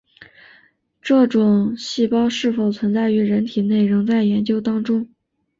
该种细胞是否存在于人体内仍在研究当中。